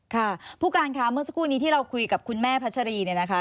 ค่ะผู้การค่ะเมื่อสักครู่นี้ที่เราคุยกับคุณแม่พัชรีเนี่ยนะคะ